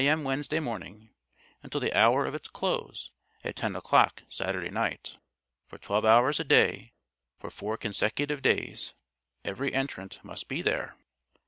M. Wednesday morning, until the hour of its close, at ten o'clock Saturday night. For twelve hours a day for four consecutive days every entrant must be there.